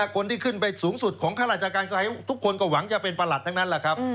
คนที่ขึ้นไปสูงสุดของข้าราชการก็ทุกคนก็หวังจะเป็นประหลัดทั้งนั้นแหละครับ